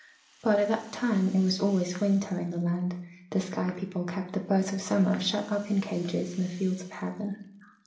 But at that time it was always winter in the land the sky people kept the Birds of Summer shut up in cages in the Fields of Heaven.